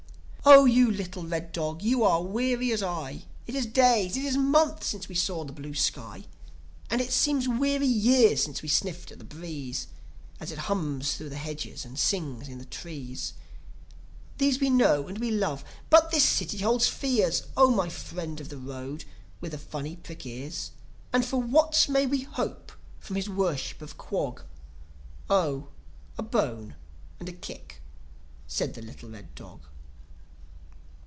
"O you little red dog, you are weary as I. It is days, it is months since we saw the blue sky. And it seems weary years since we sniffed at the breeze As it hms thro' the hedges and sings in the trees. These we know and we love. But this city holds fears, O my friend of the road, with the funny prick ears. And for what me we hope from his Worship of Quog?" "Oh, and a bone, and a kick," said the little red dog.